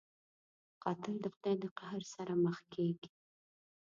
قاتل د خدای د قهر سره مخ کېږي